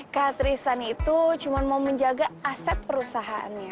kak tristan itu cuma mau menjaga aset perusahaannya